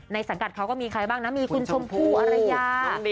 สังกัดเขาก็มีใครบ้างนะมีคุณชมพู่อรยา